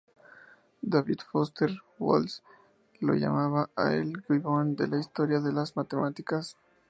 David Foster Wallace lo llamaba el "Gibbon de la historia de las matemáticas".